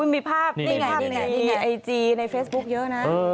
มีภาพนี่ไงครับมีไอจีในเฟซบุ๊คเยอะนะ